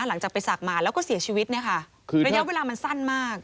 หลังจากไปศักดิ์มาแล้วก็เสียชีวิตเนี่ยค่ะคือระยะเวลามันสั้นมาก